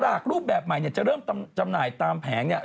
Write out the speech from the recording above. สลากรูปแบบใหม่จะเริ่มจำหน่ายตามแผง